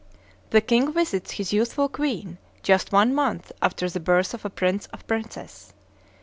The king visits his youthful queen just one month after the birth of a prince or princess.